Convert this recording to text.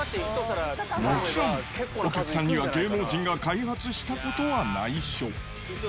もちろん、お客さんには芸能人が開発したことはないしょ。